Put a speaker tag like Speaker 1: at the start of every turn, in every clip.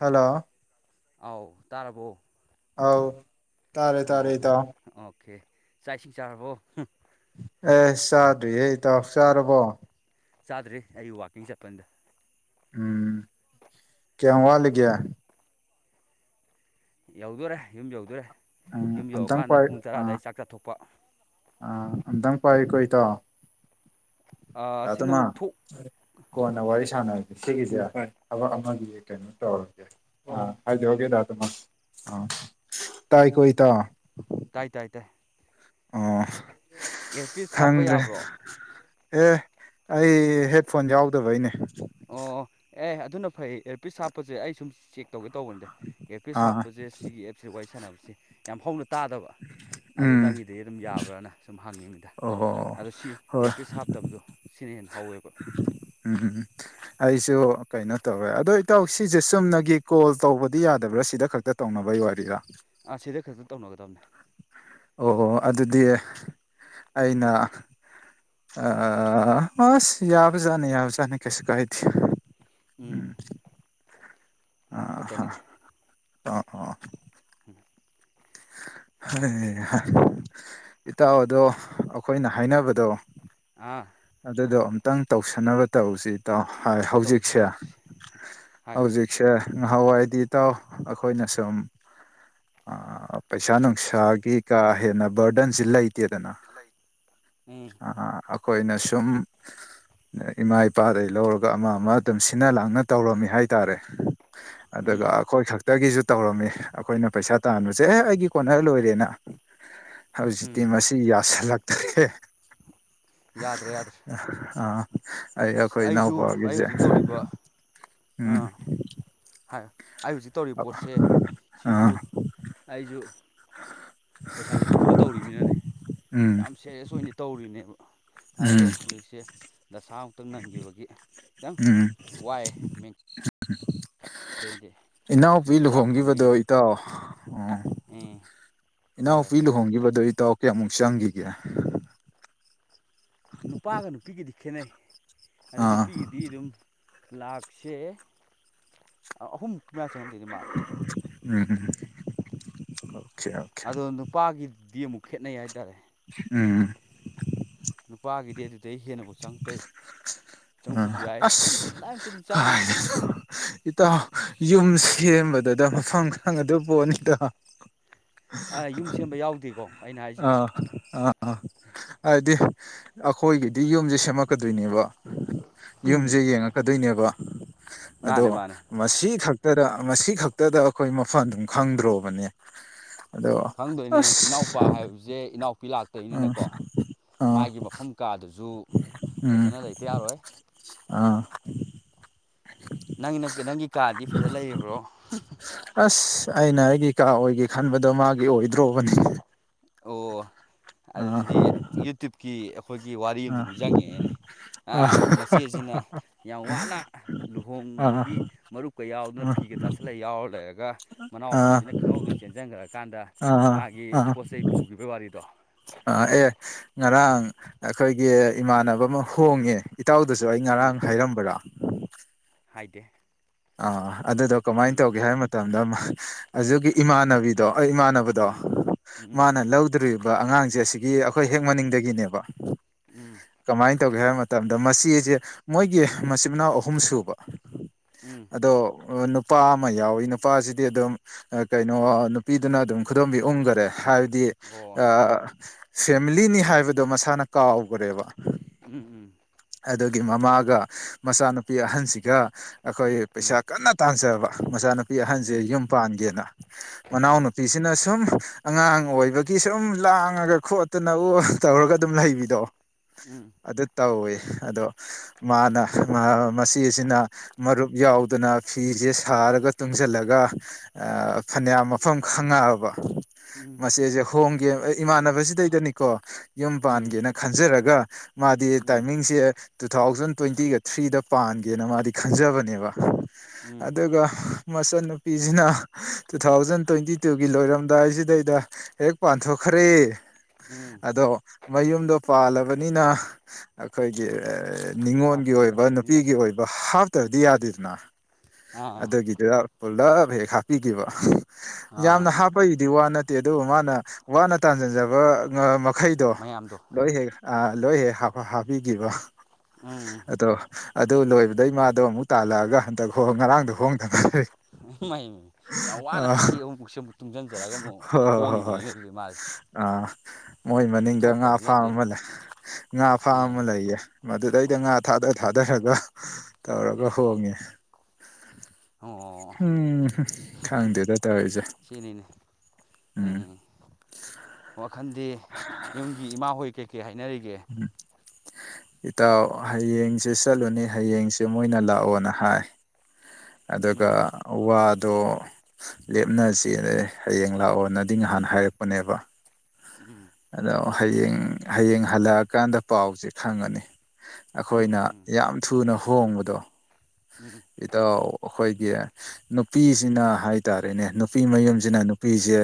Speaker 1: hello
Speaker 2: ꯑꯧ ꯇꯥꯔꯕꯣ
Speaker 1: ꯑꯧ ꯇꯥꯔꯦ ꯇꯥꯔꯦ
Speaker 2: ꯑꯣ
Speaker 1: ꯏꯇꯥꯎ
Speaker 2: ꯑꯣꯀꯦ ꯆꯥꯛ ꯏꯁꯤꯡ ꯆꯥꯔꯕꯣ
Speaker 1: ꯑꯦꯁ ꯆꯥꯗ꯭ꯔꯤꯍꯦ ꯏꯇꯥꯎ ꯆꯥꯔꯕꯣ
Speaker 2: ꯆꯥꯗ꯭ꯔꯔꯤ ꯑꯩ ꯋꯥꯛꯀꯤꯡ ꯆꯠꯄꯗ
Speaker 1: ꯎꯝ ꯀꯌꯥꯌꯥꯝ ꯋꯥꯠꯂꯤꯒꯦ
Speaker 2: ꯌꯧꯗꯣꯔꯦ ꯌꯨꯝ ꯌꯧꯗꯣꯔꯦ
Speaker 1: ꯎꯝ
Speaker 2: ꯌꯨꯝ
Speaker 1: ꯑꯝꯇꯪ
Speaker 2: ꯌꯧꯔꯀꯥꯟꯗ
Speaker 1: ꯄꯥꯏ
Speaker 2: ꯄꯨꯡ ꯇꯔꯥ
Speaker 1: ꯑꯥ
Speaker 2: ꯑꯗꯥꯏ ꯆꯥꯛ ꯆꯥꯊꯣꯛꯄ
Speaker 1: ꯑꯥ ꯑꯝꯗꯪ ꯄꯥꯏꯌꯨꯀꯣ ꯏꯇꯥꯎ
Speaker 2: ꯑꯥ
Speaker 1: ꯗꯥ
Speaker 2: ꯁꯤ
Speaker 1: ꯇꯣꯃꯥ
Speaker 2: ꯅꯪ ꯊꯣꯛ
Speaker 1: ꯀꯣꯟꯅ ꯋꯥꯔꯤ ꯁꯥꯟꯅꯔꯖꯦ ꯁꯤꯒꯤꯁꯦ ꯊꯕꯛ ꯑꯃꯒꯤ ꯀꯩꯅꯣ ꯇꯧꯔꯒꯦ ꯑꯥ ꯍꯥꯏꯗꯣꯛꯑꯒꯦ ꯗꯥ ꯇꯣꯝꯕ ꯑꯥ ꯇꯥꯏꯀꯣ ꯏꯇꯥꯎ
Speaker 2: ꯇꯥꯏ ꯇꯥꯏ ꯇꯥꯏ
Speaker 1: ꯑꯣ
Speaker 2: ꯑꯦꯌꯔꯄꯤꯁ ꯍꯥꯞꯄ
Speaker 1: ꯈꯪꯗ꯭ꯔꯦ
Speaker 2: ꯌꯥꯕ꯭ꯔꯣ
Speaker 1: ꯑꯦ ꯑꯩ ꯍꯦꯠꯐꯣꯟ ꯌꯥꯎꯗꯕꯩꯅꯦ
Speaker 2: ꯑꯣ ꯑꯦ ꯑꯗꯨꯅ ꯐꯩ ꯏꯌꯔꯄꯤꯁ ꯍꯥꯞꯄꯁꯦ ꯑꯩ ꯁꯨꯝ ꯆꯦꯛ ꯇꯧꯒꯦ ꯇꯧꯕꯅꯤꯗ ꯏꯌꯔꯄꯤꯁ
Speaker 1: ꯑꯥ
Speaker 2: ꯍꯥꯞꯄꯖꯦ ꯁꯤꯒꯤ ꯑꯦꯞꯁꯦ ꯋꯥꯔꯤ ꯁꯥꯟꯅꯕꯁꯦ ꯌꯥꯝ ꯍꯧꯅ ꯇꯥꯗꯕ ꯑꯗꯣ
Speaker 1: ꯎꯝ
Speaker 2: ꯅꯪꯒꯤ ꯁꯤꯗꯩ ꯑꯗꯨꯝ ꯌꯥꯕ꯭ꯔꯅ ꯁꯨꯝ ꯍꯪꯉꯤ ꯅꯤꯗ
Speaker 1: ꯑꯣꯍꯣ
Speaker 2: ꯑꯗꯣ ꯁꯤ
Speaker 1: ꯍꯣꯏ
Speaker 2: ꯏꯌꯔꯄꯤꯁ ꯍꯥꯞꯇꯕꯗꯣ ꯁꯤꯅ ꯍꯦꯟꯅ ꯍꯧꯋꯦꯕ
Speaker 1: ꯎꯝ ꯎ ꯎꯝ ꯑꯩꯁꯨ ꯀꯩꯅꯣ ꯇꯧꯋꯦ ꯑꯗꯣ ꯏꯇꯥꯎ ꯁꯤꯁꯦ ꯆꯨꯝꯅꯒꯤ ꯀꯣꯜ ꯇꯧꯕꯗꯤ ꯌꯥꯗꯕ꯭ꯔꯥ ꯁꯤꯗ ꯈꯛꯇ ꯇꯧꯅꯕꯩ ꯋꯥꯔꯤꯗ
Speaker 2: ꯑꯥ ꯁꯤꯗ ꯈꯛꯇ ꯇꯧꯅꯒꯗꯕꯅꯦ
Speaker 1: ꯑꯣꯍꯣ ꯑꯗꯨꯗꯤ ꯑꯩꯅ ꯑ ꯃꯥꯁ ꯌꯥꯕꯖꯅꯤꯦ ꯌꯥꯕꯖꯅꯤ ꯀꯁ ꯀꯥꯏꯇ
Speaker 2: ꯎꯝ ꯅꯥ ꯀ
Speaker 1: ꯑꯥ
Speaker 2: ꯇꯅꯤꯗ
Speaker 1: ꯑꯣ
Speaker 2: ꯎꯝ
Speaker 1: ꯍꯩ ꯍꯥ ꯏꯇꯥꯎ ꯑꯗꯣ ꯑꯈꯣꯏꯅ ꯍꯥꯏꯅꯕꯗꯣ
Speaker 2: ꯑꯥ
Speaker 1: ꯑꯗꯨꯗꯣ ꯑꯃꯨꯛꯇꯪ ꯇꯧꯁꯟꯅꯕ ꯇꯧꯁꯤ ꯏꯇꯥꯎ ꯍꯥꯏ
Speaker 2: ꯇꯧꯁꯤ
Speaker 1: ꯍꯧꯖꯤꯛꯁꯦ
Speaker 2: ꯇꯧꯁꯤ ꯍꯥꯏꯌꯣ
Speaker 1: ꯍꯧꯖꯤꯛ ꯁꯦ ꯉꯍꯥꯋꯥꯏꯗꯤ ꯏꯇꯥꯎ ꯑꯈꯣꯏꯅ ꯁꯨꯝ ꯑꯥ ꯄꯩꯁꯥ ꯅꯨꯡꯁꯥꯒꯤ ꯀꯥ ꯍꯦꯟꯅ ꯕꯔꯗꯟꯁꯤ ꯂꯩ ꯇꯦꯗꯅ
Speaker 2: ꯎꯝ
Speaker 1: ꯑꯥ ꯑꯛ ꯑꯩꯈꯣꯏꯅ ꯁꯨꯝ ꯏꯃꯥ ꯏꯄꯥꯗꯒꯤ ꯂꯧꯔꯒ ꯑꯃ ꯑꯃ ꯑꯗꯨꯝ ꯁꯤꯟꯅ ꯂꯥꯡꯅ ꯇꯧꯔꯝꯃꯤ ꯍꯥꯏꯇꯥꯔꯦ ꯑꯗꯨꯒ
Speaker 2: ꯎꯝ
Speaker 1: ꯑꯈꯣꯏ ꯈꯛ ꯇꯒꯤꯁꯨ ꯇꯧꯔꯝꯃꯤ ꯑꯈꯣꯏꯅ ꯄꯩꯁꯥ ꯇꯥꯟꯕꯁꯦ ꯑꯦ ꯑꯩꯒꯤ ꯀꯣꯟꯅ ꯂꯣꯏꯔꯦꯅ ꯍꯧꯖꯤꯛꯇꯤ
Speaker 2: ꯎꯝ
Speaker 1: ꯃꯁꯤ ꯌꯥꯁꯤꯜꯂꯛꯇ꯭ꯔꯦ
Speaker 2: ꯌꯥꯗ꯭ꯔꯦ ꯌꯥꯗ꯭ꯔꯦ
Speaker 1: ꯑꯥ ꯑꯩ ꯑꯈꯣꯏ
Speaker 2: ꯑꯩꯁꯨ ꯑꯩ
Speaker 1: ꯏꯅꯥꯎꯄꯥꯒꯤꯖꯦ
Speaker 2: ꯍꯧꯖꯤꯛ ꯇꯧꯔꯤꯕ
Speaker 1: ꯎꯝ
Speaker 2: ꯍꯥꯏꯌꯨ ꯑꯩ ꯍꯧꯖꯤꯛ ꯇꯧꯔꯤꯕ ꯄꯣꯠꯁꯦ ꯁꯤꯖꯨ
Speaker 1: ꯑꯥ
Speaker 2: ꯑꯩꯖꯨ ꯄꯩꯁꯥꯖꯦ ꯄꯨꯔ ꯇꯧꯔꯤꯃꯤꯅꯅꯦ
Speaker 1: ꯎꯝ
Speaker 2: ꯌꯥꯝ ꯁꯦꯔꯤꯌꯁ ꯑꯣꯏꯅ ꯇꯧꯔꯤꯅꯦꯕ ꯑꯗꯣ
Speaker 1: ꯎꯝ
Speaker 2: ꯍꯧꯖꯤꯛꯁꯦ ꯗꯁꯥ ꯑꯃꯨꯛꯇꯪ ꯅꯪꯈꯤꯕꯒꯤ ꯈꯤꯇꯪ
Speaker 1: ꯎꯝ
Speaker 2: ꯋꯥꯏꯌꯦ ꯃꯦꯟ ꯇꯦꯟꯗꯤ
Speaker 1: ꯏꯅꯥꯎꯄꯤ ꯂꯨꯍꯣꯡꯒꯤꯕꯗꯣ ꯏꯇꯥꯎ ꯎꯝ
Speaker 2: ꯎꯝ ꯍꯥꯏꯌꯣ
Speaker 1: ꯏꯅꯥꯎꯄꯤ ꯂꯨꯍꯣꯡꯒꯤꯕꯗꯣ ꯏꯇꯥꯎ ꯀꯌꯥꯃꯨꯛ ꯆꯪꯈꯤꯒꯦ
Speaker 2: ꯅꯨꯄꯥꯒ ꯅꯨꯄꯤꯒꯗꯤ ꯈꯦꯠꯅꯩ ꯑꯗꯨ
Speaker 1: ꯑꯥ
Speaker 2: ꯅꯨꯄꯤꯒꯤꯗꯤ ꯑꯗꯨꯝ ꯂꯥꯛꯁꯦ ꯑꯍꯨꯝ ꯃꯨꯛꯀꯤ ꯃꯌꯥ ꯆꯪꯉꯝꯗꯣꯏꯗꯤ ꯃꯥꯜꯂꯦ
Speaker 1: ꯎꯝ ꯑꯣꯈꯦ ꯑꯣ
Speaker 2: ꯑꯗꯣ ꯅꯨꯄꯥꯒꯤꯗꯤ ꯑꯃꯨꯛ ꯈꯦꯠꯅꯩ ꯍꯥꯏꯇꯥꯔꯦ
Speaker 1: ꯎꯝ
Speaker 2: ꯅꯨꯄꯥꯒꯤꯗꯤ ꯑꯗꯨꯗꯩ ꯍꯦꯟꯅꯕꯨ ꯆꯪꯉꯛꯇꯣꯏ
Speaker 1: ꯎꯝ ꯑꯁ
Speaker 2: ꯀꯗꯥꯏꯃꯨꯛꯇꯤ ꯑꯗꯨꯝ ꯆꯪꯉꯅꯤꯗ
Speaker 1: ꯀꯥꯏꯗꯩꯅꯣ ꯏꯇꯥꯎ ꯌꯨꯝ ꯁꯦꯝꯕꯗꯗ ꯃꯐꯝ ꯈꯪꯉꯗꯣꯏꯄꯣꯠꯅꯤꯗ
Speaker 2: ꯑꯥ ꯑꯥꯏ ꯌꯨꯝ ꯁꯦꯝꯕ ꯌꯥꯎꯗꯦꯀꯣ ꯑꯩꯅ ꯍꯥꯏꯁꯤꯗ
Speaker 1: ꯑꯥ ꯍꯥꯏꯗꯤ ꯑꯈꯣꯏꯒꯤꯗꯤ ꯌꯨꯝꯖꯦ ꯁꯦꯝꯃꯛꯀꯗꯣꯏꯅꯦꯕ ꯌꯨꯝꯖꯦ
Speaker 2: ꯎꯝ
Speaker 1: ꯌꯦꯡꯉꯛꯀꯗꯣꯏꯅꯦꯕ ꯑꯗꯣ
Speaker 2: ꯃꯥꯅꯦ ꯃꯥꯅꯦ
Speaker 1: ꯃꯁꯤ ꯈꯛꯇꯗ ꯃꯁꯤ ꯈꯛꯇꯗ ꯑꯈꯣꯏ ꯃꯐꯝ ꯑꯗꯨꯝ ꯈꯪꯗ꯭ꯔꯣꯕꯅꯦ ꯑꯗꯣ
Speaker 2: ꯈꯪꯗꯣꯏꯅꯤ ꯏꯅꯥꯎꯄꯥ
Speaker 1: ꯑꯁ
Speaker 2: ꯍꯥꯏꯕꯁꯦ ꯏꯅꯥꯎꯄꯤ
Speaker 1: ꯎꯝ
Speaker 2: ꯂꯥꯛꯇꯣꯏꯅꯤꯅꯀꯣ
Speaker 1: ꯑꯥ
Speaker 2: ꯃꯥꯒꯤ ꯃꯐꯝ ꯀꯥꯗꯨꯖꯨ
Speaker 1: ꯎꯝ
Speaker 2: ꯐꯖꯅ ꯂꯩꯇ ꯌꯥꯔꯣꯏ
Speaker 1: ꯑꯥ
Speaker 2: ꯅꯪ ꯅꯪꯒꯤ ꯀꯥꯗꯤ ꯐꯖ ꯂꯩꯔꯕ꯭ꯔꯣ
Speaker 1: ꯑꯁ ꯑꯩꯅ ꯑꯩꯒꯤ ꯏ ꯀꯥ ꯑꯣꯏꯒꯦ ꯈꯟꯕꯗꯣ ꯃꯥꯒꯤ ꯑꯣꯏꯗ꯭ꯔꯣꯕꯅꯤ
Speaker 2: ꯑꯣ
Speaker 1: ꯑꯥ
Speaker 2: ꯑꯗꯨꯗꯤ ꯌꯨꯇ꯭ꯌꯕꯀꯤ ꯑꯩꯈꯣꯏꯒꯤ ꯋꯥꯔꯤ ꯑꯗꯨ
Speaker 1: ꯑꯥ
Speaker 2: ꯅꯤꯡꯁꯤꯡꯉꯉꯦꯅꯦ ꯃꯆꯦꯁꯤꯅ ꯌꯥꯝ ꯋꯥꯅ
Speaker 1: ꯑꯥ
Speaker 2: ꯂꯨꯍꯣꯡꯕꯒꯤ ꯃꯔꯨꯞꯀ ꯌꯥꯎꯗꯅ
Speaker 1: ꯑꯥ
Speaker 2: ꯐꯤꯒ ꯇꯥꯁꯜꯂ ꯌꯥꯎꯔ ꯂꯩꯔꯒ
Speaker 1: ꯑꯥ
Speaker 2: ꯃꯅꯥꯎꯄꯤꯁꯤꯅ ꯈꯪꯍꯧꯗꯅ ꯆꯦꯟꯁꯤꯟꯈ꯭ꯔꯀꯥꯟꯗ
Speaker 1: ꯑꯥ
Speaker 2: ꯃꯥꯒꯤ
Speaker 1: ꯑꯥ
Speaker 2: ꯄꯣꯠ ꯆꯩꯩ ꯄꯨꯈꯤꯕ ꯋꯥꯔꯤꯗꯣ
Speaker 1: ꯑ ꯑꯦ ꯉꯔꯥꯡ ꯑꯩꯈꯣꯏꯒꯤ ꯏꯃꯥꯟꯅꯕ ꯑꯃ ꯍꯣꯡꯉꯦ ꯏꯇꯥꯎꯗꯁꯨ ꯑꯩ
Speaker 2: ꯎꯝ
Speaker 1: ꯉꯔꯥꯡ ꯍꯥꯏꯔꯝꯕꯔꯥ
Speaker 2: ꯍꯥꯏꯗꯦ
Speaker 1: ꯑꯥ ꯑꯗꯨꯗꯣ ꯀꯃꯥꯏꯅ
Speaker 2: ꯎꯝ
Speaker 1: ꯇꯧꯒꯦ ꯍꯥꯏꯕ ꯃꯇꯝꯗ ꯑꯗꯨꯒꯤ ꯏꯃꯥꯟꯅꯕꯤꯗꯣ ꯑꯩ ꯏꯃꯥꯟꯅꯕ ꯕꯗꯣ
Speaker 2: ꯎꯝ ꯎꯝ
Speaker 1: ꯃꯥꯅ ꯂꯧꯗꯣꯔꯤꯕ ꯑꯉꯥꯡꯁꯦ ꯑꯁꯤꯒꯤ ꯑꯩꯈꯣꯏ ꯍꯦꯛ ꯃꯅꯤꯡꯗꯒꯤꯅꯦꯕ
Speaker 2: ꯎꯝ
Speaker 1: ꯀꯃꯥꯏ ꯇꯧꯒꯦ ꯍꯥꯏꯕ ꯃꯇꯝꯗ ꯃꯆꯦꯖꯦ ꯃꯣꯏꯒꯤ ꯃꯆꯤꯟ ꯃꯅꯥꯎ ꯑꯍꯨꯝ ꯁꯨꯕ
Speaker 2: ꯎꯝ
Speaker 1: ꯑꯗꯣ ꯑ ꯅꯨꯞ ꯄꯥ ꯑꯃ ꯌꯥꯎꯋꯤ ꯅꯨꯄꯥꯁꯤꯗꯤ ꯑꯗꯨꯝ ꯑꯥ ꯀꯩꯅꯣ ꯅꯨꯄꯤꯗꯨꯅ ꯑꯗꯨꯝ ꯈꯨꯗꯣꯝꯕꯤ ꯎꯪꯒꯔꯦ ꯍꯥꯏꯕꯗꯤ
Speaker 2: ꯑꯣ
Speaker 1: ꯐꯦꯃꯤꯂꯤꯅꯤ ꯍꯥꯏꯕꯗꯣ ꯃꯁꯥꯅ ꯀꯥꯎꯈ꯭ꯔꯦꯕ
Speaker 2: ꯎꯝ ꯎꯝ
Speaker 1: ꯑꯗꯒꯤ ꯃꯃꯥꯒ ꯃꯆꯥꯅꯨꯄꯤ ꯑꯍꯟꯁꯤꯒ ꯑꯩꯈꯣꯏ ꯄꯩꯁꯥ
Speaker 2: ꯎꯝ
Speaker 1: ꯀꯟꯅ ꯇꯥꯟꯖꯕ ꯃꯆꯥꯅꯨꯄꯤ ꯑꯍꯟꯁꯦ
Speaker 2: ꯎꯝ
Speaker 1: ꯌꯨꯝ ꯄꯥꯟꯒꯦꯅ ꯃꯅꯥꯎ
Speaker 2: ꯎꯝ ꯎꯝ
Speaker 1: ꯅꯨꯨꯄꯤꯁꯤꯅ ꯁꯨꯝ ꯑꯉꯥꯡ ꯑꯣꯏꯕꯒꯤ ꯁꯨꯝ ꯂꯥꯡꯉꯒ ꯈꯣꯠꯇꯅ ꯎ ꯇꯧꯔꯒ ꯑꯗꯨꯝ ꯂꯩꯕꯤꯗꯣ
Speaker 2: ꯎꯝ
Speaker 1: ꯑꯗꯨ ꯇꯧꯏ ꯑꯗꯣ ꯃꯥꯅ ꯃꯆꯦꯁꯤꯅ ꯃꯔꯨꯞ ꯌꯥꯎꯗꯅ ꯐꯤꯁꯦ ꯁꯥꯔꯒ ꯇꯨꯡꯁꯤꯜꯂꯒ ꯐꯅꯌꯥꯝ ꯃꯐꯝ ꯈꯪꯉꯛꯑꯕ ꯃꯆꯦꯁꯦ ꯍꯣꯡꯒꯦ ꯏꯃꯥꯟꯅꯕꯁꯤꯗꯩꯗꯅꯤꯀꯣ ꯌꯨꯝ ꯄꯥꯟꯒꯦꯅ ꯈꯟꯖꯔꯒ ꯃꯥꯗꯤ
Speaker 2: ꯎꯝ
Speaker 1: ꯇꯥꯏꯃꯤꯡꯁꯦ ꯇꯨ ꯊꯥꯎꯖꯟ ꯇ꯭ꯋꯦꯟꯇꯤꯒ ꯊ꯭ꯔꯤꯗ ꯄꯥꯟꯒꯦꯅ ꯃꯥꯗꯤ ꯈꯟꯖꯕꯅꯦꯕ
Speaker 2: ꯎꯝ ꯎꯝ
Speaker 1: ꯑꯗꯨꯒ ꯃꯆꯟꯅꯨꯄꯤꯁꯤꯅ ꯇꯨ ꯊꯥꯎꯖꯟ ꯇ꯭ꯋꯦꯟꯇꯤ ꯇꯨꯒꯤ ꯂꯣꯏꯔꯝꯗꯥꯏꯁꯤꯗꯩꯗ ꯍꯦꯛ ꯄꯥꯟꯊꯣꯛꯈ꯭ꯔꯦ
Speaker 2: ꯎꯝ
Speaker 1: ꯑꯗꯣ ꯃꯌꯨꯝꯗꯣ ꯄꯥꯜꯂꯕꯅꯤꯅ ꯑꯩꯈꯣꯏꯒꯤ ꯅꯤꯡꯅꯤꯉꯣꯟꯒꯤ
Speaker 2: ꯍꯥꯞꯇꯕ
Speaker 1: ꯑꯣꯏꯕ
Speaker 2: ꯌꯥꯗꯕꯅꯤꯅ
Speaker 1: ꯅꯨꯄꯤꯒꯤ ꯑꯣꯏꯕ ꯑꯗꯣ ꯍꯥꯞꯇ꯭ꯔꯗꯤ ꯌꯥꯗꯦꯗꯅ
Speaker 2: ꯑꯥ
Speaker 1: ꯑꯗꯨꯒꯤꯗꯨꯗ ꯄꯨꯂꯞ ꯍꯦꯛ ꯍꯥꯞꯄꯤꯈꯤꯕ
Speaker 2: ꯑꯥ
Speaker 1: ꯌꯥꯝꯅ ꯍꯥꯞꯄꯒꯤꯗꯤ ꯋꯥ ꯅꯠꯇꯦ ꯑꯗꯨꯕꯨ ꯃꯥꯅ ꯋꯥꯅ ꯇꯥꯟꯁꯤꯟꯖꯕ ꯃꯈꯩꯗꯣ
Speaker 2: ꯃꯌꯥꯝꯗꯣ
Speaker 1: ꯂꯣꯏ ꯍꯦꯛ ꯂꯣꯏ ꯍꯦꯛ ꯍꯥꯞꯄꯤꯈꯤꯕ
Speaker 2: ꯎꯝ
Speaker 1: ꯑꯗꯣ ꯑꯗꯨ ꯂꯣꯏꯕꯗꯩ ꯃꯥꯗꯣ ꯑꯃꯨꯛ ꯇꯥꯜꯂꯛꯑꯒ ꯍꯟꯗꯛ ꯍ ꯉꯔꯥꯡꯗꯣ ꯍꯣꯡꯗꯅ
Speaker 2: ꯩ ꯌꯥꯝ ꯋꯥꯅ
Speaker 1: ꯑ
Speaker 2: ꯆꯍꯤ ꯑꯍꯨꯝꯐꯥꯎꯁꯦ ꯑꯃꯨꯛ ꯇꯨꯡꯁꯤꯟꯖꯔꯒ ꯑꯃꯨꯛ
Speaker 1: ꯍꯣꯏ ꯍꯣꯏ ꯍꯣꯏ
Speaker 2: ꯍꯣꯡꯉꯤꯕꯅꯤꯅ ꯑꯗꯨꯗꯤ ꯃꯥꯁꯦ
Speaker 1: ꯑꯥ ꯃꯣꯏ ꯃꯅꯤꯡꯗ ꯉꯥ
Speaker 2: ꯊꯣꯛꯇꯕꯗꯤ
Speaker 1: ꯐꯥꯝ
Speaker 2: ꯅꯠꯇꯦꯅꯦ
Speaker 1: ꯑꯃ ꯂꯩ ꯉꯥ ꯐꯥꯝ
Speaker 2: ꯎꯝ
Speaker 1: ꯑꯃ ꯂꯩꯌꯦ ꯃꯗꯨꯗꯩꯗ ꯉꯥ ꯊꯥꯗ ꯊꯥꯗꯔꯒ ꯇꯧꯔꯒ ꯍꯣꯡꯉꯤ
Speaker 2: ꯑꯣ
Speaker 1: ꯈꯪꯗꯦꯗ ꯇꯧꯔꯤꯁꯦ
Speaker 2: ꯁꯤꯅꯦꯅꯦ ꯎꯝ ꯋꯥꯈꯜꯗꯤ ꯌꯨꯝꯒꯤ ꯏꯃꯥꯍꯣꯏ ꯀꯩꯀꯩ ꯍꯥꯏꯅꯔꯤꯒꯦ
Speaker 1: ꯎꯝ ꯏꯇꯥꯎ ꯍꯌꯦꯡꯁꯦ ꯆꯠꯂꯨꯅꯤ ꯍꯌꯦꯡꯁꯦ ꯃꯣꯏꯅ ꯂꯥꯛꯑꯣꯅ ꯍꯥꯏ ꯑꯗꯨꯒ
Speaker 2: ꯎꯝ
Speaker 1: ꯋꯥꯗꯣ ꯂꯦꯞꯅꯁꯤ ꯍꯌꯦꯡ ꯂꯥꯛꯑꯣꯅꯗꯤ ꯉꯍꯥꯟ ꯍꯥꯏꯔꯛꯄꯅꯦꯕ
Speaker 2: ꯎꯝ
Speaker 1: ꯑꯗꯣ ꯍꯌꯦꯡ ꯍꯌꯦꯡ ꯍꯜꯂꯛꯑꯀꯥꯟꯗ ꯄꯥꯎꯁꯦ ꯈꯪꯉꯅꯤ
Speaker 2: ꯎꯝ
Speaker 1: ꯑꯩꯈꯣꯏꯅ
Speaker 2: ꯎꯝ
Speaker 1: ꯌꯥꯝ ꯊꯨꯅ ꯍꯣꯡꯕꯗꯣ
Speaker 2: ꯎꯝ
Speaker 1: ꯏꯗꯣ ꯑꯩꯈꯣꯏꯒꯤ ꯅꯨꯄꯤꯁꯤꯅ ꯍꯥꯏꯇꯥꯔꯦꯅꯦ ꯅꯨꯄꯤ
Speaker 2: ꯎꯝ
Speaker 1: ꯃꯌꯨꯝꯁꯤꯅ ꯅꯨꯄꯤꯁꯦ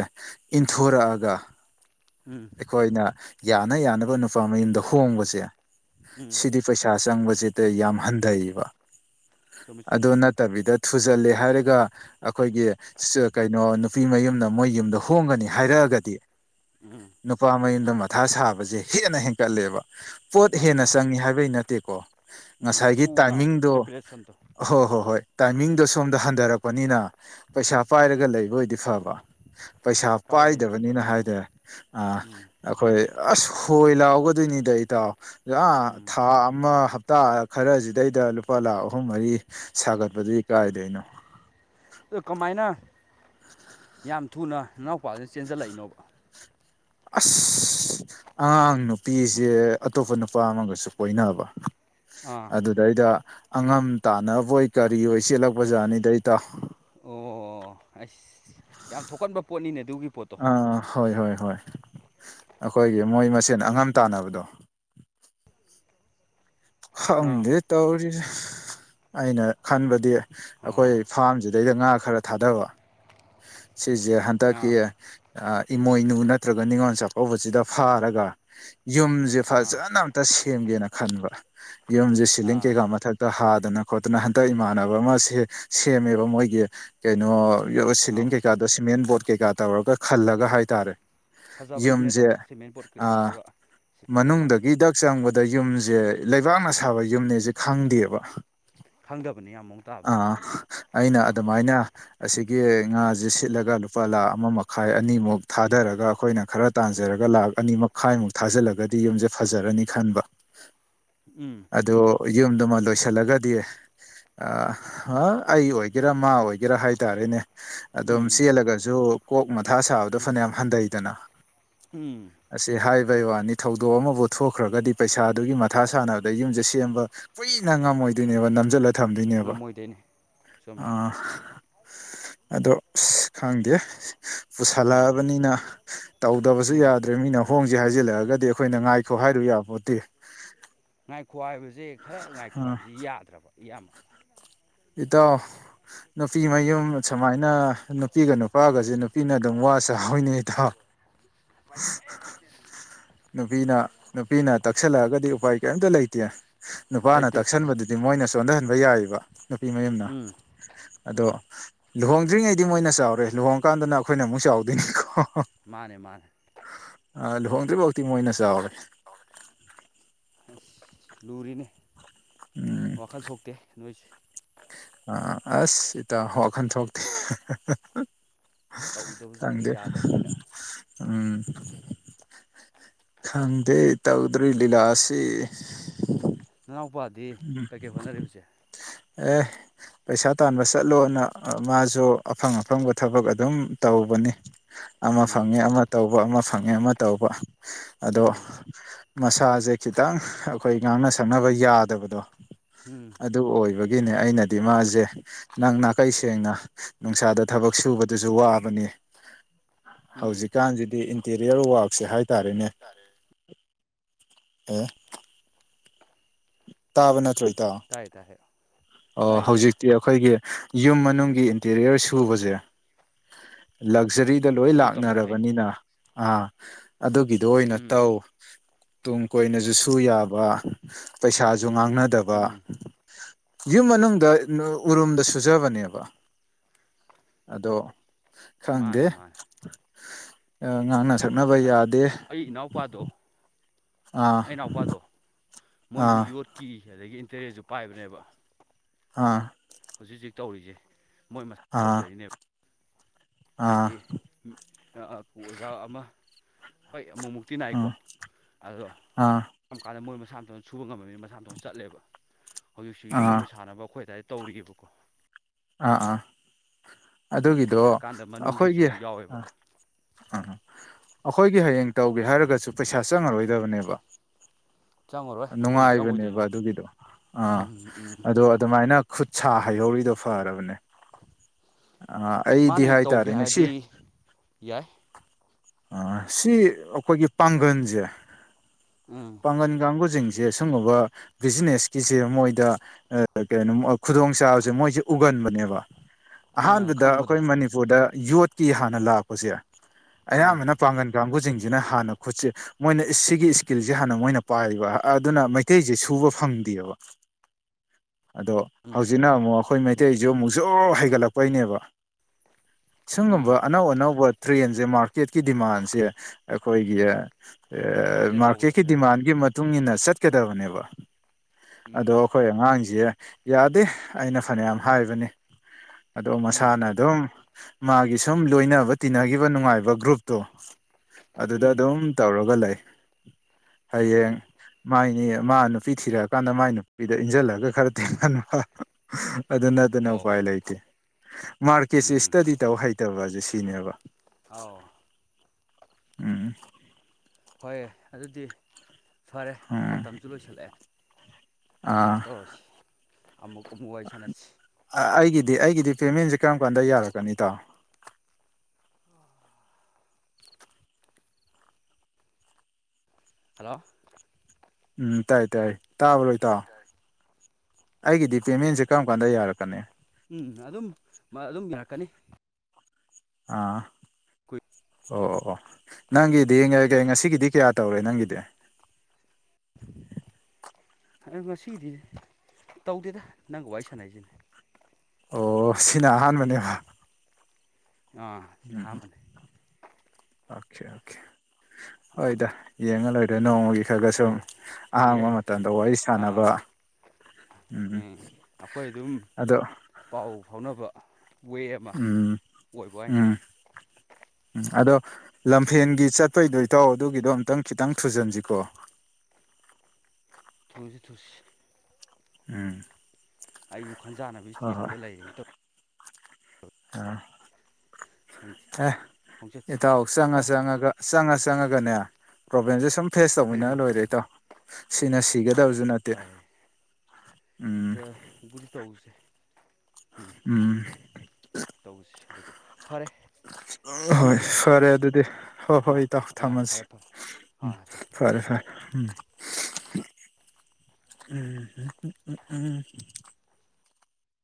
Speaker 1: ꯏꯟꯊꯣꯔꯛꯑꯒ
Speaker 2: ꯎꯝ
Speaker 1: ꯑꯩꯈꯣꯏꯅ ꯌꯥꯅ ꯌꯥꯅꯕ ꯅꯨꯄꯥ ꯃꯌꯨꯝꯗ ꯍꯣꯡꯕꯁꯦ
Speaker 2: ꯎꯝ
Speaker 1: ꯁꯤꯗꯤ ꯄꯩꯁꯥ ꯆꯪꯕꯁꯤꯗꯤ ꯌꯥꯝ ꯍꯟꯊꯕ
Speaker 2: ꯆꯨꯝꯃꯤ ꯆꯨꯝ
Speaker 1: ꯑꯗꯨ ꯅ ꯐꯠꯇꯕꯤꯗ ꯊꯨꯖꯜꯂꯦ ꯍꯥꯏꯔꯒ ꯑꯩꯈꯣꯏꯒꯤ ꯀꯩꯅꯣ ꯅꯨꯄꯤ ꯃꯌꯨꯝꯅ ꯃꯣꯏ ꯌꯨꯝꯗ ꯍꯣꯡꯒꯅꯤ ꯍꯥꯏꯔꯛꯑꯒꯗꯤ
Speaker 2: ꯎꯝ
Speaker 1: ꯅꯨꯄꯥ ꯃꯌꯨꯝꯗ ꯃꯊꯥ ꯁꯥꯕꯁꯦ ꯍꯦꯟꯅ ꯍꯦꯟꯀꯠꯂꯦꯕ ꯄꯣꯠ
Speaker 2: ꯃꯥꯅꯦ
Speaker 1: ꯍꯦꯟꯅ
Speaker 2: ꯃꯥꯅꯦ
Speaker 1: ꯆꯪꯏ ꯍꯥꯏꯕꯩ ꯅꯠꯇꯦꯀꯣ
Speaker 2: ꯎꯝ
Speaker 1: ꯉꯁꯥꯏꯒꯤ
Speaker 2: ꯊꯨꯅ
Speaker 1: ꯇꯥꯏꯃꯤꯡꯗꯣ
Speaker 2: ꯄ꯭ꯔꯤꯄꯦꯔꯦꯁꯟꯗꯣ
Speaker 1: ꯑ ꯍꯣꯏ ꯍꯣꯏ ꯍꯣꯏ ꯇꯥꯏꯃꯤꯡꯗꯣ ꯁꯣꯝꯗ ꯍꯟꯊꯔꯛꯄꯅꯤꯅ ꯄꯩꯁꯥ ꯄꯥꯏꯔꯒ ꯂꯩꯕ ꯑꯣꯏꯗꯤ ꯐꯕ ꯄꯩꯁꯥ
Speaker 2: ꯄꯥꯏꯔ ꯂꯩꯕ
Speaker 1: ꯄꯥꯏꯗꯕꯅꯤꯅ
Speaker 2: ꯅꯠꯇꯕꯅꯤꯅ
Speaker 1: ꯍꯥꯏꯔꯦ ꯑꯥ
Speaker 2: ꯎꯝ
Speaker 1: ꯑꯩꯈꯣꯏ ꯑꯁ ꯍꯣꯏ ꯂꯥꯎꯒꯗꯣꯏꯅꯤꯗ ꯏꯇꯥꯎ ꯑꯥ
Speaker 2: ꯎꯝ
Speaker 1: ꯊꯥ ꯑꯃ ꯍꯞꯇꯥ ꯈꯔꯁꯤꯗꯩꯗ ꯂꯨꯄꯥ ꯂꯥꯛ ꯑꯍꯨꯝ ꯃꯔꯤ ꯁꯥꯒꯠꯄꯗꯨꯒꯤ ꯀꯥꯏꯗꯩꯅꯣ
Speaker 2: ꯑꯣ ꯀꯃꯥꯏꯅ ꯌꯥꯝ ꯊꯨꯅ ꯏꯅꯥꯎꯄꯥꯁꯤꯅ ꯆꯦꯟꯖꯜꯂꯛꯏꯅꯣꯕ
Speaker 1: ꯑꯁ ꯑꯉꯥꯡ ꯅꯨꯄꯤꯁꯦ ꯑꯇꯣꯞꯄ ꯅꯨꯄꯥ ꯑꯃꯒꯁꯨ ꯀꯣꯏꯅꯕ
Speaker 2: ꯑꯥ
Speaker 1: ꯑꯗꯨꯗꯩꯗ ꯑꯉꯝ ꯇꯥꯟꯅꯕꯣꯏ ꯀꯔꯤ ꯑꯣꯏ ꯆꯦꯜꯂꯛꯄ ꯖꯥꯠꯅꯤꯗꯩꯗ
Speaker 2: ꯑꯣ ꯑꯁ ꯌꯥꯝ ꯊꯣꯛꯀꯟꯕ ꯄꯣꯠꯅꯤꯅꯦ ꯑꯗꯨꯒꯤ ꯄꯣꯠꯇꯣ
Speaker 1: ꯑꯥ ꯍꯣꯏ ꯍꯣꯏ ꯍꯣꯏ ꯑꯩꯈꯣꯏꯒꯤ ꯃꯣꯏ ꯃꯁꯦꯟ ꯑꯉꯝ ꯇꯥꯟꯅꯕꯗꯣ
Speaker 2: ꯑꯥ
Speaker 1: ꯍꯪꯗꯦ ꯇꯧꯔꯤ ꯑꯩꯅ ꯈꯟꯕꯗꯤ ꯑꯩꯈꯣꯏ
Speaker 2: ꯑꯣ
Speaker 1: ꯐꯥꯝꯁꯤꯗꯩꯗ ꯉꯥ ꯈꯔ ꯊꯥꯗꯕ ꯁꯤꯁꯦ ꯍꯟꯇꯥ ꯀ
Speaker 2: ꯑꯥ
Speaker 1: ꯏꯃꯣꯏꯅꯨ ꯅꯠꯇ꯭ꯔꯒ ꯅꯤꯉꯣꯜ ꯆꯥꯛꯀꯧꯕꯁꯤꯗ ꯐꯥꯔꯒ ꯌꯨꯝꯁꯦ
Speaker 2: ꯑꯥ
Speaker 1: ꯐꯖꯅ ꯑꯝꯇ ꯁꯦꯝꯒꯦꯅ ꯈꯟꯕ ꯌꯨꯝꯁꯦ ꯁꯤꯂꯤꯡ
Speaker 2: ꯑꯥ
Speaker 1: ꯀꯩꯀꯥ ꯃꯊꯛꯇ ꯍꯥꯗꯅ ꯈꯣꯠꯇꯅ ꯍꯟꯗꯛ ꯏꯃꯥꯟꯅꯕ ꯑꯃꯦ ꯁꯦꯝꯃꯦꯕ ꯃꯣꯏꯒꯤ ꯀꯩꯅꯣ
Speaker 2: ꯑꯥ
Speaker 1: ꯁꯤꯂꯤꯡ ꯀꯩꯀꯥꯗꯣ ꯁꯤꯃꯦꯟ ꯕꯣꯔꯠ ꯀꯩꯀꯥ ꯇꯧꯔꯒ ꯈꯜꯂꯒ ꯍꯥꯏꯇꯥꯔꯦ
Speaker 2: ꯐꯖꯕꯅꯤꯅꯦ ꯑꯗꯣ
Speaker 1: ꯌꯨꯝꯁꯦ
Speaker 2: ꯁꯤꯃꯦꯟ ꯄꯣꯠ ꯀꯩ ꯍꯥꯞꯄꯒ ꯁꯤꯡꯒ ꯍꯥꯞꯄꯗꯣ
Speaker 1: ꯃꯅꯨꯡꯗꯒꯤ ꯗ ꯆꯪꯕꯗ ꯌꯨꯝꯁꯦ ꯂꯩꯕꯥꯛꯅ ꯁꯥꯕ ꯌꯨꯝꯅꯦꯁꯦ ꯈꯪꯗꯦꯕ
Speaker 2: ꯈꯪꯗꯕꯅꯤ ꯌꯥꯝ ꯃꯑꯣꯡ ꯇꯥꯕꯅꯦ
Speaker 1: ꯑꯥ ꯑꯩꯅ ꯑꯗꯨꯃꯥꯏꯅ ꯑꯁꯤꯒꯤ ꯉꯥꯥꯁ ꯁꯤꯠꯂꯒ ꯂꯨꯄꯥ ꯂꯥꯈ ꯑꯃ ꯃꯈꯥꯏ ꯑꯅꯤꯃꯨꯛ ꯊꯥꯗꯔꯒ ꯑꯩꯈꯣꯏꯅ ꯈꯔ ꯇꯥꯟꯖꯔꯒ ꯂꯥꯛ ꯑꯅꯤ ꯃꯈꯥꯏꯃꯨꯛ ꯊꯥꯖꯤꯜꯂꯒꯗꯤ ꯌꯨꯝꯁꯦ ꯐꯖꯔꯅꯤ ꯈꯟꯕ
Speaker 2: ꯎꯝ
Speaker 1: ꯑꯗꯨꯗꯣ ꯌꯨꯝꯗꯨꯃ ꯂꯣꯏꯁꯤꯜꯂꯒꯗꯤ ꯑꯩ ꯑꯣꯏꯒꯦꯔꯥ ꯃꯥ ꯑꯣꯏꯒꯦꯔꯥ ꯍꯥꯏꯇꯥꯔꯦꯅꯦ ꯑꯗꯨꯝ
Speaker 2: ꯎꯝ ꯎꯝ
Speaker 1: ꯆꯦꯜꯂꯒꯁꯨ ꯀꯣꯛ ꯃꯊꯥ ꯁꯥꯕꯗꯣ ꯐꯅꯌꯥꯝ ꯍꯟꯊꯩꯗꯅ
Speaker 2: ꯎꯝ
Speaker 1: ꯑꯁꯤ ꯍꯥꯏꯕꯩ ꯋꯥꯅꯤ ꯊꯧꯗꯣꯛ ꯑꯃꯕꯨ ꯊꯣꯛꯈ꯭ꯔꯒꯗꯤ ꯄꯩꯁꯥꯗꯨꯒꯤ ꯄꯊꯥ ꯁꯥꯟꯅꯕꯗ ꯌꯨꯝꯁꯦ ꯁꯦꯝꯕ ꯀꯨꯏꯅ ꯉꯝꯃꯣꯏꯗꯣꯏꯅꯦꯕ ꯅꯝꯁꯤꯜꯂ ꯊꯝꯗꯣꯏꯅꯦꯕ
Speaker 2: ꯉꯝꯃꯣꯏꯗꯣꯏꯅꯦ
Speaker 1: ꯑ
Speaker 2: ꯆꯨꯝꯃꯦ
Speaker 1: ꯑꯗꯣ ꯑꯁ ꯈꯪꯗꯦ
Speaker 2: ꯎꯝ
Speaker 1: ꯄꯨꯁꯜꯂꯛꯑꯕꯅꯤꯅ ꯇꯧꯗꯕꯁꯨ
Speaker 2: ꯎꯝ
Speaker 1: ꯌꯥꯗ꯭ꯔꯦ ꯃꯤꯅ ꯍꯣꯡꯁꯦ ꯍꯥꯏꯖꯤꯜꯂꯛꯑꯒꯗꯤ ꯑꯩꯈꯣꯏꯅ ꯉꯥꯏꯈꯣ ꯍꯥꯏꯔꯨ ꯌꯥꯕꯣꯠꯇꯤ
Speaker 2: ꯉꯥꯏꯈꯣ ꯍꯥꯏꯕꯁꯦ ꯈꯔ ꯉꯥꯏꯈꯣ
Speaker 1: ꯑꯥ
Speaker 2: ꯍꯥꯏꯕꯁꯤ ꯌꯥꯗ꯭ꯔꯕ ꯏꯌꯥꯝꯕ
Speaker 1: ꯏꯇꯥꯎ ꯅꯨꯄꯤ ꯃꯌꯨꯝ ꯁꯨꯃꯥꯏꯅ ꯅꯨꯄꯤꯒ ꯅꯨꯄꯥꯒꯁꯦ ꯅꯨꯄꯤ ꯅ ꯑꯗꯨꯝ ꯋꯥꯁꯦꯍꯅꯩ ꯊꯥꯎ
Speaker 2: ꯀꯦꯝ ꯅ ꯀ
Speaker 1: ꯅꯨꯄꯤꯅ ꯅꯨꯄꯤꯅ ꯇꯛꯁꯜꯂꯛꯑꯒꯗꯤ ꯎꯄꯥꯏ ꯀꯔꯤꯝꯇ ꯂꯩꯇꯦ ꯅꯨꯄꯥꯅ
Speaker 2: ꯂꯩꯇꯦ
Speaker 1: ꯇꯛꯁꯟꯕꯗꯨꯗꯤ ꯑꯗꯨ ꯃꯣꯏꯅ ꯁꯣꯟꯊꯍꯟꯕ ꯌꯥꯏꯑꯕ ꯅꯨꯄꯤ ꯃꯌꯨꯝꯅ
Speaker 2: ꯎꯝ
Speaker 1: ꯑꯗꯣ
Speaker 2: ꯎꯝ
Speaker 1: ꯂꯨꯍꯣꯡꯗ꯭ꯔꯤꯉꯩꯗꯤ ꯃꯣꯏꯅ ꯆꯥꯎꯔꯦ ꯂꯨꯍꯣꯡ ꯀꯥꯟꯗꯅ ꯑꯩꯈꯣꯏꯅ ꯑꯃꯨꯛ ꯆꯥꯎꯗꯣꯏꯅꯤꯀꯣ
Speaker 2: ꯃꯥꯅꯦ ꯃꯥꯅꯦ
Speaker 1: ꯂꯨꯍꯣꯡꯗ꯭ꯔꯤꯐꯥꯎꯇꯤ ꯃꯣꯏꯅ ꯆꯥꯎꯔꯦ
Speaker 2: ꯑꯁ ꯂꯨꯔꯤꯅꯦ
Speaker 1: ꯎꯝ
Speaker 2: ꯋꯥꯈꯜ ꯊꯣꯛꯇꯦ ꯅꯣꯏꯁꯤ
Speaker 1: ꯑ ꯑꯁ ꯏꯇꯥꯎ ꯋꯥꯈꯟ ꯊꯣꯛꯇꯦ
Speaker 2: ꯇꯧꯗꯕꯁꯨ ꯍꯦꯛ
Speaker 1: ꯈꯪꯗꯦ
Speaker 2: ꯌꯥꯗꯕꯅꯤꯅ
Speaker 1: ꯎꯝ ꯈꯪꯗꯦ ꯇꯧꯗ꯭ꯔꯤ ꯂꯤꯂꯥꯁꯤ
Speaker 2: ꯅꯅꯥꯎꯎꯄꯥ
Speaker 1: ꯎꯝ ꯑꯦ ꯄꯩꯁꯥ ꯇꯥꯟꯕ ꯆꯠꯂꯣꯅ ꯃꯥꯁꯨ ꯑꯐꯪ ꯑꯐꯪꯕ ꯊꯕꯛ ꯑꯗꯨꯝ ꯇꯧꯕꯅꯤ ꯑꯃ
Speaker 2: ꯎꯝ
Speaker 1: ꯐꯪꯉꯦ ꯑꯃ ꯇꯧꯕ ꯑꯃ ꯐꯪꯉꯦ ꯑꯃ ꯇꯧꯕ ꯑꯗꯣ
Speaker 2: ꯎꯝ
Speaker 1: ꯃꯁꯥꯁꯦ ꯈꯤꯇꯪ ꯑꯩꯈꯣꯏ ꯉꯥꯡꯅ ꯁꯛꯅꯕ ꯌꯥꯗꯕꯗꯣ
Speaker 2: ꯎꯝ
Speaker 1: ꯑꯗꯨ ꯑꯣꯏꯕꯒꯤꯅꯦ ꯑꯩꯅꯗꯤ ꯃꯥꯁꯦ ꯅꯪ ꯅꯥꯀꯩ ꯁꯦꯡꯅ ꯅꯨꯡꯁꯥꯗ ꯊꯕꯛ ꯁꯨꯕꯗꯨꯁꯨ ꯋꯥꯕꯅꯤ
Speaker 2: ꯎꯝ
Speaker 1: ꯍꯧꯖꯤꯛꯀꯥꯟꯁꯤꯗꯤ ꯏꯟꯇꯤꯔꯤꯌꯔ ꯋꯥꯔꯛꯁꯦ ꯍꯥꯏꯇꯥꯔꯦꯅꯦ ꯍ ꯇꯥꯕ ꯅꯠꯇ꯭ꯔꯣꯏꯇꯥꯣ
Speaker 2: ꯇꯥꯏ ꯇ
Speaker 1: ꯑꯣ ꯍꯧꯖꯤꯛꯇꯤ ꯑꯩꯈꯣꯏꯒꯤ ꯌꯨꯝ ꯃꯅꯨꯡꯒꯤ ꯏꯟꯇꯤꯔꯤꯌꯔ ꯁꯨꯕꯁꯦ ꯂꯛꯖꯔꯤ ꯗ ꯂꯣꯏ
Speaker 2: ꯑꯗꯨ ꯇꯝꯕ ꯐꯩ
Speaker 1: ꯂꯥꯛꯅꯔꯕꯅꯤꯅ ꯑ ꯑꯗꯨꯒꯤꯗꯣ ꯑꯣꯏꯅ
Speaker 2: ꯎꯝ
Speaker 1: ꯇꯧ ꯇꯨꯡ ꯀꯣꯏꯅꯁꯨ ꯁꯨ ꯌꯥꯕ ꯄꯩꯁꯥꯁꯨ ꯉꯥꯡꯅꯗꯕ
Speaker 2: ꯎꯝ
Speaker 1: ꯌꯨꯝ ꯃꯅꯨꯡꯗ ꯎꯔꯨꯝꯗ ꯁꯨꯖꯕꯅꯦꯕ ꯑꯗꯣ ꯈꯪꯗꯦ
Speaker 2: ꯃꯥꯅꯦ ꯃꯥꯅꯦ
Speaker 1: ꯉꯥꯡꯅ ꯁꯛꯅꯕ ꯌꯥꯗꯦ
Speaker 2: ꯅꯨꯄꯥꯗꯣ
Speaker 1: ꯑꯥ
Speaker 2: ꯑꯩ ꯑꯅꯥꯎꯄꯥꯗꯣ ꯃꯣꯏꯁꯨ
Speaker 1: ꯑꯥ
Speaker 2: ꯌꯣꯠ ꯀꯤ ꯑꯗꯒꯤ ꯏꯟꯇꯔꯦꯁꯁꯨ ꯄꯥꯏꯕꯅꯦꯕ
Speaker 1: ꯑꯥ
Speaker 2: ꯍꯧꯖꯤꯛ ꯍꯧꯖꯤꯛ ꯇꯧꯔꯤꯁꯦ ꯃꯣꯏ
Speaker 1: ꯑꯥ
Speaker 2: ꯇꯧꯖꯔꯤꯅꯦꯕ
Speaker 1: ꯑꯥ
Speaker 2: ꯍꯥꯏꯗꯤ ꯑꯣꯖꯥ ꯑꯃ ꯍꯣꯏ ꯑꯃꯨꯛꯃꯨꯛꯇꯤ
Speaker 1: ꯎꯝ
Speaker 2: ꯅꯥꯏꯀꯣ ꯑꯗꯣ
Speaker 1: ꯑꯥ
Speaker 2: ꯀꯔꯝ ꯀꯥꯟꯗ ꯃꯣꯏ ꯃꯁꯥ ꯃꯊꯥꯟꯅ ꯁꯨꯕ ꯉꯝꯃꯅꯤꯅ ꯃꯁꯥ ꯃꯇꯣꯟꯅ ꯆꯠꯂꯦꯕ ꯍꯧꯖꯤꯛꯁꯨ ꯌꯨꯝ
Speaker 1: ꯑꯥ
Speaker 2: ꯑꯃ ꯁꯥꯟꯅꯕ ꯑꯩꯈꯣꯏ ꯑꯗꯨꯋꯥꯏ ꯇꯧꯔꯤꯑꯦꯕꯀꯣ
Speaker 1: ꯑꯥ ꯑꯥ ꯑꯗꯨꯒꯤꯗꯣ
Speaker 2: ꯂꯩꯔꯀꯥꯟꯗ ꯃꯅꯨꯡꯒꯤꯁꯨ
Speaker 1: ꯑꯩꯈꯣꯏꯒꯤ
Speaker 2: ꯑꯃꯨꯛ ꯌꯥꯎꯋꯦꯕ
Speaker 1: ꯑꯥ ꯑꯥ ꯑꯩꯈꯣꯏꯒꯤ ꯍꯌꯦꯡ ꯇꯧꯒꯦ ꯍꯥꯏꯔꯒꯁꯨ ꯄꯩꯁꯥ ꯆꯪꯉꯔꯣꯏꯗꯕꯅꯦꯕ
Speaker 2: ꯆꯪꯉꯔꯣꯏ ꯑꯩꯈꯣꯏꯁꯨ
Speaker 1: ꯅꯨꯡꯉꯥꯏꯕꯅꯦꯕ
Speaker 2: ꯆꯪꯉꯣꯏꯗꯣꯏꯅꯤ
Speaker 1: ꯑꯗꯨꯒꯤꯗꯣ ꯑꯥ
Speaker 2: ꯎꯝ ꯎꯝ
Speaker 1: ꯑꯗꯣ ꯑꯗꯨꯃꯥꯏꯅ ꯈꯨꯠ ꯁꯥ ꯍꯩꯍꯧꯔꯤꯗꯣ ꯐꯔꯕꯅꯦ ꯑ ꯑꯩꯗꯤ
Speaker 2: ꯃꯥꯅ ꯇꯧꯒꯦ
Speaker 1: ꯍꯥꯏꯇꯥꯔꯦꯅꯦꯁꯤ
Speaker 2: ꯍꯥꯏꯔꯗꯤ ꯌꯥꯏ
Speaker 1: ꯁꯤ ꯑꯩꯈꯣꯏꯒꯤ ꯄꯥꯡꯒꯜꯁꯦ
Speaker 2: ꯎꯝ
Speaker 1: ꯄꯥꯡꯒꯥꯟ ꯒꯥꯡꯕꯨꯁꯦ ꯁꯤꯡꯁꯦ ꯁꯤꯒꯨꯝꯕ ꯕꯤꯖꯤꯅꯦꯁꯀꯤꯁꯦ ꯃꯣꯏꯗ ꯈꯨꯗꯣꯡ ꯆꯥꯕꯁꯦ ꯃꯣꯏꯁꯨ ꯎꯒꯟꯕꯅꯦꯕ
Speaker 2: ꯎꯝ
Speaker 1: ꯑꯍꯥꯟꯕꯗ
Speaker 2: ꯈꯪꯕꯗꯣ
Speaker 1: ꯑꯩꯈꯣꯏ ꯃꯅꯤꯄꯨꯔꯗ ꯌꯣꯠꯀꯤ ꯍꯥꯟꯅ ꯂꯥꯛꯄꯁꯦ
Speaker 2: ꯎꯝ
Speaker 1: ꯑꯌꯥꯝꯕꯅ ꯄꯥꯡꯒꯜ ꯀꯥꯡꯕꯨꯁꯤꯡꯁꯤꯅ ꯍꯥꯟꯅ ꯈꯨꯠꯁꯦ ꯃꯣꯏꯅ ꯁꯤꯒꯤ ꯏꯁꯀꯤꯜꯁꯦ ꯍꯥꯟꯅ ꯃꯣꯏꯅ ꯄꯥꯏꯕ ꯑꯗꯨꯅ ꯃꯩꯇꯩꯁꯦ ꯁꯨꯕ ꯐꯪꯗꯦꯑꯦꯕ ꯑꯗꯣ
Speaker 2: ꯎꯝ
Speaker 1: ꯍꯧꯖꯤꯛꯅ ꯑꯃꯨꯛ ꯑꯩꯈꯣꯏ ꯃꯩꯇꯩꯁꯨ ꯑꯃꯨꯛꯁꯨ ꯍꯩꯒꯠꯂꯛꯄ ꯑꯣꯏꯅꯦꯕ ꯁꯨꯒꯨꯝꯕ
Speaker 2: ꯎꯝ
Speaker 1: ꯑꯅꯧ ꯑꯅꯧꯕ ꯇ꯭ꯔꯦꯟꯁꯦ ꯃꯥꯔꯀꯦꯠꯀꯤ ꯗꯤꯃꯥꯟꯁꯦ ꯑꯩꯈꯣꯏꯒꯤ
Speaker 2: ꯑꯟꯗꯔꯁꯇꯦꯟ
Speaker 1: ꯃꯥꯔꯀꯦꯠꯀꯤ
Speaker 2: ꯇꯧꯒꯗꯕꯅꯦꯕ
Speaker 1: ꯗꯤꯃꯥꯟꯒꯤ ꯇꯨ ꯏꯟꯅ ꯆꯠꯀꯗꯕꯅꯦꯕ ꯑꯗꯣ
Speaker 2: ꯎꯝ
Speaker 1: ꯑꯩꯈꯣꯏ ꯑꯉꯥꯡꯁꯦ ꯌꯥꯗꯦ ꯑꯩꯅ ꯐꯅꯌꯥꯝ ꯍꯥꯏꯕꯅꯤ ꯑꯗꯣ
Speaker 2: ꯎꯝ
Speaker 1: ꯃꯁꯥꯅ ꯑꯗꯨꯝ ꯃꯥꯒꯤ ꯁꯨꯝ ꯂꯣꯏꯅꯕ ꯇꯤꯟꯅꯈꯤꯕ ꯅꯨꯡꯉꯥꯏꯕ ꯒ꯭ꯔꯨꯞꯇꯣ ꯑꯗꯨꯗ
Speaker 2: ꯎꯝ
Speaker 1: ꯑꯗꯨꯝ ꯇꯧꯔꯒ ꯂꯩ ꯍꯌꯦꯡ
Speaker 2: ꯑꯣ
Speaker 1: ꯃꯥꯏꯅꯤ ꯃꯥ ꯅꯨꯄꯤ ꯊꯤꯔꯛ ꯑꯀꯥꯟꯗ ꯃꯥꯏ ꯅꯨꯄꯤꯗ ꯏꯟꯁꯤꯜꯂꯒ ꯈꯔ ꯊꯦꯡꯍꯟꯕ ꯑꯗꯨꯅꯟꯇꯅꯥ
Speaker 2: ꯑꯣ
Speaker 1: ꯎꯄꯥꯏ ꯂꯩꯇꯦ ꯃꯥꯔꯀꯦꯠꯁꯦ ꯏꯁꯇꯗꯤ ꯇꯧ ꯍꯩꯇꯕꯁꯦ ꯁꯤꯅꯦꯕ
Speaker 2: ꯑꯥꯎ
Speaker 1: ꯎꯝ
Speaker 2: ꯍꯣꯏ ꯑꯗꯨꯗꯤ ꯐꯔꯦ
Speaker 1: ꯎꯝ
Speaker 2: ꯃꯇꯝꯁꯨ ꯂꯣꯏꯁꯤꯜꯂꯛꯑꯦ
Speaker 1: ꯑꯥ
Speaker 2: ꯀꯩꯅꯣ ꯇꯧꯔꯁꯤ ꯑꯃꯨꯛ ꯀꯃꯨꯛ ꯋꯥꯔꯤ ꯁꯥꯟꯅꯁꯤ
Speaker 1: ꯑꯩꯒꯤꯗꯤ ꯑꯩꯒꯤꯗꯤ ꯄꯦꯃꯦꯟꯁꯦ ꯀꯔꯝ ꯀꯥꯟꯗ ꯌꯥꯔꯛꯀꯅꯤ ꯏꯇꯥꯑꯣ
Speaker 2: ꯑꯣ [inaudible] ꯍꯜꯂꯣ
Speaker 1: ꯎꯝ ꯇꯥꯏ ꯇꯥꯏ ꯇꯥꯕꯔꯣ ꯢꯇꯥꯎ ꯑꯩꯒꯤꯗꯤ ꯄꯦꯃꯦꯟꯁꯦ ꯀꯔꯝ ꯀꯥꯟꯗ ꯌꯥꯔꯛꯀꯅꯤ
Speaker 2: ꯎꯝ ꯑꯗꯨꯝ ꯑꯗꯨꯝ ꯌꯥꯔꯛꯀꯅꯤ
Speaker 1: ꯑꯥ ꯑꯣ ꯑꯣ ꯑꯣ ꯅꯪꯒꯤꯗꯤ ꯉꯁꯤꯒꯤꯗꯤ ꯀꯌꯥ ꯇꯧꯔꯦ ꯅꯪꯒꯤꯗꯤ
Speaker 2: ꯑ ꯉꯁꯤꯒꯤꯗꯤ ꯇꯧꯗꯦꯗ ꯅꯪꯒ ꯋꯥꯔꯤ ꯁꯥꯟꯅꯩꯁꯤꯅꯦ
Speaker 1: ꯑꯣ ꯁꯤꯅ ꯑꯍꯥꯟꯕꯅꯦꯕ
Speaker 2: ꯑꯥ ꯁꯤꯅ
Speaker 1: ꯎꯝ [unintelligible]
Speaker 2: ꯑꯍꯥꯟꯕꯅꯦ
Speaker 1: ꯑꯣꯀꯦ ꯑꯣꯀꯦ ꯍꯣꯏꯗ ꯌꯦꯡꯉ ꯂꯣꯏꯔꯣꯏ ꯅꯣꯡꯃꯒꯤ ꯈ꯭ꯔ ꯈ꯭ꯔꯒ
Speaker 2: ꯍꯣꯏ
Speaker 1: ꯁꯨꯝ
Speaker 2: ꯌꯦ
Speaker 1: ꯑꯍꯥꯡꯕ ꯃꯇꯝꯗ ꯋꯥꯔꯤ
Speaker 2: ꯑꯥ
Speaker 1: ꯁꯥꯟꯅꯕ ꯎꯝ
Speaker 2: ꯑꯩꯈꯣꯏ ꯑꯗꯨꯝ
Speaker 1: ꯑꯗꯣ
Speaker 2: ꯄꯥꯎ ꯐꯥꯎꯅꯕ ꯋꯦ ꯑꯃ
Speaker 1: ꯎꯝ
Speaker 2: ꯑꯣꯏꯕ ꯋꯥꯅꯤꯗ
Speaker 1: ꯎꯝ ꯎꯝ ꯑꯗꯣ ꯂꯝꯐꯦꯟꯒꯤ ꯆꯠꯄꯩꯗꯣ ꯏꯇꯥꯎ ꯑꯗꯨꯒꯤꯗꯣ ꯑꯝꯇꯪ ꯈꯤꯇꯪ ꯊꯨꯖꯟꯁꯤꯀꯣ
Speaker 2: ꯊꯨꯁꯤ ꯊꯨꯁꯤ
Speaker 1: ꯎꯝ
Speaker 2: ꯑꯩꯁꯨ ꯈꯟꯖꯥꯟꯅꯕ
Speaker 1: ꯍꯣꯏ
Speaker 2: ꯏꯁꯇꯦꯁ
Speaker 1: ꯍꯣꯏ
Speaker 2: ꯑꯃꯗ ꯂꯩꯔꯦꯅꯦ
Speaker 1: ꯑꯥ
Speaker 2: ꯈꯪꯗꯦ
Speaker 1: ꯑꯦ
Speaker 2: ꯈꯣꯡꯆꯠꯁꯦ
Speaker 1: ꯏꯇꯎ ꯆꯪꯉ
Speaker 2: ꯐꯔꯦ
Speaker 1: ꯆꯪꯉꯒ ꯆꯪꯉ ꯆꯪꯉꯒꯅꯦ ꯄ꯭ꯔꯣꯕ꯭ꯂꯦꯝꯁꯦ ꯁꯨꯝ ꯐꯦꯁ ꯇꯧꯃꯤꯟꯅꯔ
Speaker 2: ꯎꯝ
Speaker 1: ꯂꯣꯏꯔꯦ ꯏꯇꯥꯑꯣ ꯁꯤꯅ ꯁꯤ [unintelligible]
Speaker 2: ꯍꯥꯏ ꯇꯧꯕꯨꯗꯤ ꯇꯧꯎꯁꯦ
Speaker 1: ꯎꯝ
Speaker 2: ꯇꯧꯁꯤ ꯑꯗꯨꯗꯤ ꯐꯔꯦ
Speaker 1: ꯍꯣꯏ
Speaker 2: ꯊꯝꯃꯁꯦ
Speaker 1: ꯐꯔꯦ ꯑꯗꯨꯗꯤ ꯍꯣꯏ ꯍꯣꯏ
Speaker 2: ꯑꯥ
Speaker 1: ꯏꯇꯥꯎ
Speaker 2: ꯑꯥ
Speaker 1: ꯊꯝꯃꯁꯤ
Speaker 2: ꯐꯔꯦ ꯐꯔꯦ
Speaker 1: ꯎꯝ ꯐꯔꯦ ꯐꯔꯦ [unintelligible]